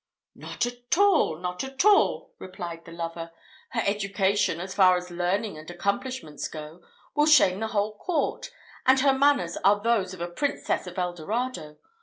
"Not at all! not at all!" replied the lover. "Her education, as far as learning and accomplishments go, will shame the whole court, and her manners are those of a princess of Eldorado.